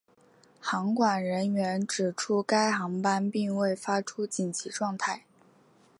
航管人员指出该航班并未发出紧急状态。